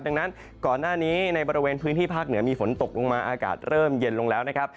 ดังนั้นก่อนหน้านี้ในบริเวณพื้นที่ภาคเหนือมีฝนตกลงมาอากาศเริ่มเย็นลงแล้วนะครับ